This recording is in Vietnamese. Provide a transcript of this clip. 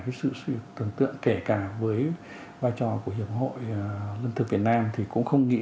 cái sự tưởng tượng kể cả với vai trò của hiệp hội lương thực việt nam thì cũng không nghĩ